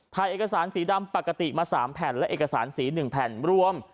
ถ่ายเอกสารสีดำปกติมา๓แผ่นและเอกสารสี๑แผ่นรวม